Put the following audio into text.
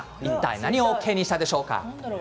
何をＯＫにしたんでしょうか。